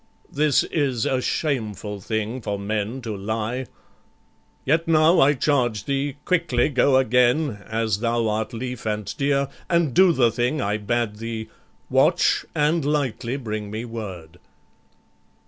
This is a shameful thing for men to lie. Yet now, I charge thee, quickly go again, As thou art lief and dear, and do the thing I bade thee, watch, and lightly bring me word."